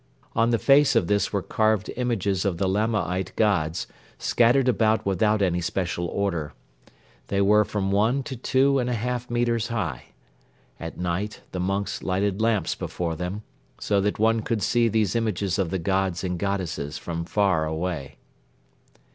On the face of this were carved images of the Lamaite gods, scattered about without any special order. They were from one to two and a half metres high. At night the monks lighted lamps before them, so that one could see these images of the gods and goddesses from far away.